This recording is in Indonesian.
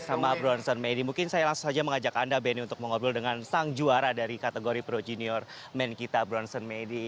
sama bronson medi mungkin saya langsung saja mengajak anda benny untuk mengobrol dengan sang juara dari kategori pro junior men kita bronson medi